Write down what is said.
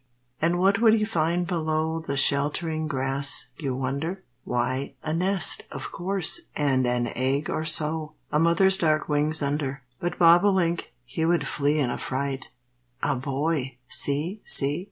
And what would he find below The sheltering grass, you wonder? Why, a nest, of course, and an egg or so, A mother's dark wings under. But bobolink he would flee In a fright "A boy! see! see!"